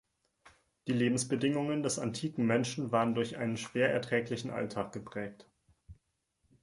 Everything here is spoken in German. Die Lebensbedingungen des antiken Menschen waren durch einen schwer erträglichen Alltag geprägt.